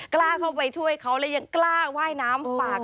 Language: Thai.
กล้าเข้าไปช่วยเขาและยังกล้าว่ายน้ำฝาก